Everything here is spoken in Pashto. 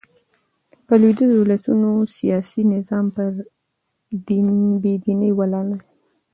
د لوېدیځو اولسونو سیاسي نظام پر بې دينۍ ولاړ دئ.